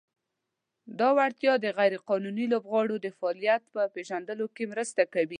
دا وړتیا د "غیر قانوني لوبغاړو د فعالیت" په پېژندلو کې مرسته کوي.